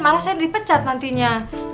malah saya dipecat nantinya